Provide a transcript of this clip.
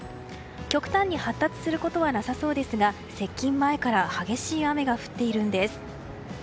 極端に発達することはなさそうですが接近前から激しい雨が降っているんです。